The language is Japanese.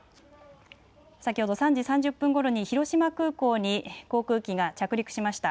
先ほど３時３０分ごろに広島空港に航空機が着陸しました。